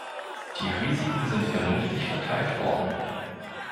Die Risiken sind vernünftig verteilt worden.